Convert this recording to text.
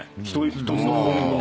１つの本が。